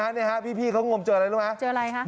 เนี่ยฮะพี่เขางงบเจออะไรรู้มั้ยเจออะไรครับ